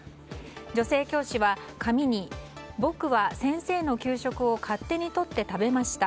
女性教師は紙に、僕は先生の給食を勝手にとって食べました。